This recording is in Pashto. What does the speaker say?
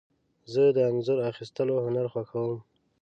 زه د انځور اخیستلو هنر خوښوم.